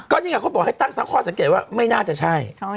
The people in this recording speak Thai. ก็ยังอย่างงี้เค้าบอกให้ตั้งซักข้อสะเกียจว่าไม่น่าจะใช่